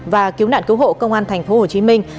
và cứu nạn cứu hộ công an thành phố hồ chí minh